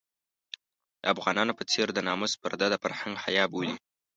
د افغانانو په څېر د ناموس پرده د فرهنګ حيا بولي.